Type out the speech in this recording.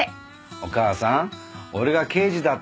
お母さん俺が刑事だって事